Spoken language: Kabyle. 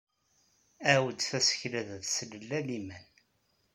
Awd tasekla da teslellat iman.